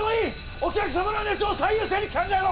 お客様の命を最優先に考えろ！